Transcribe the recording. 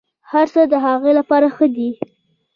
هرڅه د هغه لپاره ښه دي.